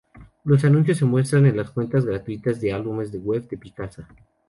Los anuncios se muestran en las cuentas gratuitas de Álbumes web de Picasa.